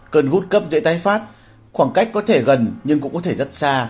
cơn gút cấp dễ tái phát khoảng cách có thể gần nhưng cũng có thể rất xa